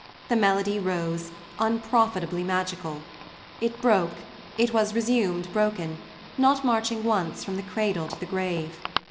The melody rose, unprofitably magical. It broke; it was resumed broken, not marching once from the cradle to the grave.